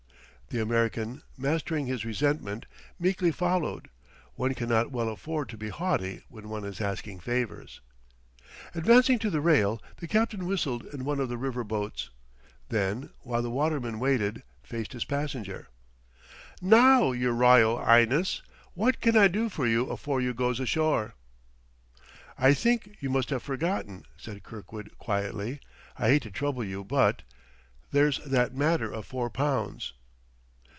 The American, mastering his resentment, meekly followed; one can not well afford to be haughty when one is asking favors. Advancing to the rail, the captain whistled in one of the river boats; then, while the waterman waited, faced his passenger. "Now, yer r'yal 'ighness, wot can I do for you afore you goes ashore?" "I think you must have forgotten," said Kirkwood quietly. "I hate to trouble you, but there's that matter of four pounds."